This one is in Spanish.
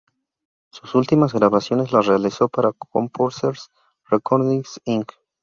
Sus últimas grabaciones las realizó para Composers Recordings, Inc.